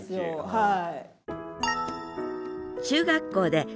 はい。